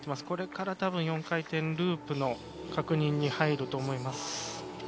これから４回転ループの確認に入ると思います。